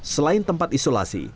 selain tempat isolasi